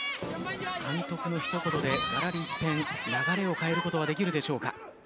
監督の一言で一転流れを変えることができるでしょうか。